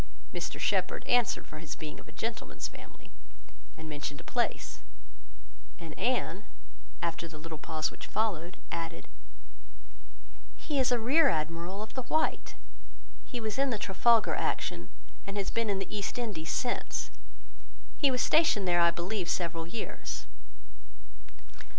Mr Shepherd answered for his being of a gentleman's family, and mentioned a place; and Anne, after the little pause which followed, added— "He is a rear admiral of the white. He was in the Trafalgar action, and has been in the East Indies since; he was stationed there, I believe, several years."